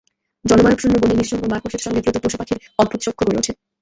জনমানবশূন্য বনে নিঃসঙ্গ মারকোসের সঙ্গে দ্রুত পশুপাখির অদ্ভুত সখ্য গড়ে ওঠে।